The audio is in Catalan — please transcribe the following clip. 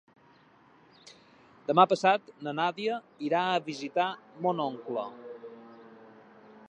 Demà passat na Nàdia irà a visitar mon oncle.